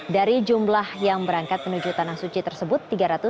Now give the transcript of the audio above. dari jumlah yang berangkat menuju tanah suci tersebut